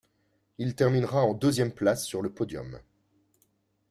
Il terminera en deuxième place sur le podium.